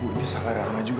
bu ini salah rama juga